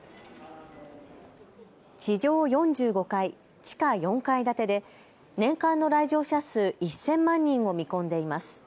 地上４５階、地下４階建てで年間の来場者数１０００万人を見込んでいます。